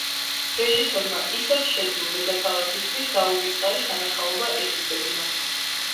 რეჟისორმა ისევ შეძლო დედაქალაქისთვის დაუვიწყარი სანახაობა ეჩუქებინა.